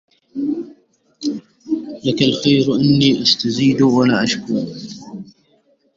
لك الخير إني أستزيد ولا أشكو